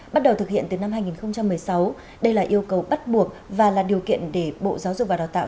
bắt đầu thực hiện từ năm hai nghìn một mươi sáu đây là yêu cầu bắt buộc và là điều kiện để bộ giáo dục và đào tạo